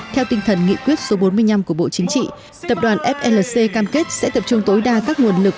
theo tinh thần nghị quyết số bốn mươi năm của bộ chính trị tập đoàn flc cam kết sẽ tập trung tối đa các nguồn lực